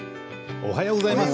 おはようございます。